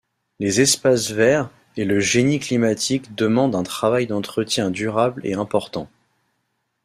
Les espaces verts et le génie climatique demandent un travail d'entretien durable et important.